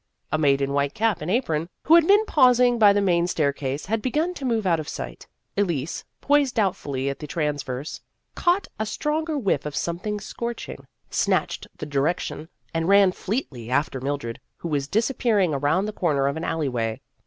A maid in white cap and apron, who had been pausing by the main staircase, had begun to move out of sight. Elise, poised doubtfully at the transverse, caught a stronger whiff of something scorching, snatched the direction, and ran fleetly after Mildred, who was disappearing around the corner of an alley way.